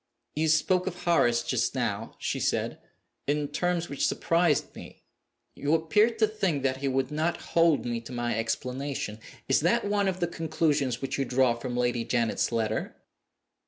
"You spoke of Horace just now," she said, "in terms which surprised me. You appeared to think that he would not hold me to my explanation. Is that one of the conclusions which you draw from Lady Janet's letter?"